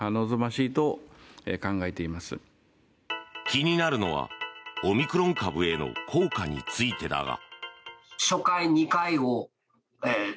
気になるのはオミクロン株への効果についてだが。